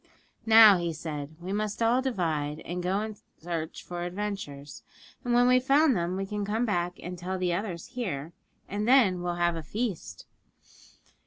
'Now,' he said, 'we must all divide, and go in search for adventures; and when we've found them, we can come back and tell the others here, and then we'll have a feast.'